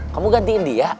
kamu gantiin dia